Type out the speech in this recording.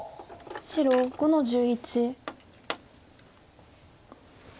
白５の十一。